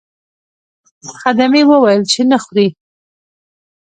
خدمې وویل چې نه خورئ.